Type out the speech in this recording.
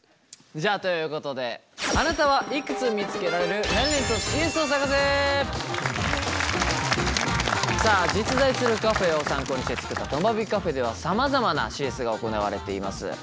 じゃあということでさあ実在するカフェを参考にして作ったとまビカフェではさまざまなＣＳが行われています。